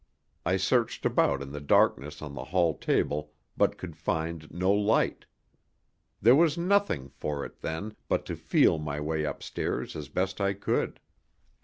I searched about in the darkness on the hall table, but could find no light. There was nothing for it, then, but to feel my way upstairs as best I could.